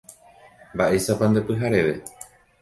Mba'éichapa nde pyhareve.